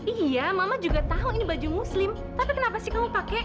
iya mama juga tahu ini baju muslim tapi kenapa sih kamu pakai